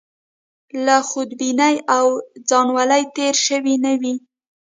له خودبینۍ او ځانولۍ تېر شوي نه وي.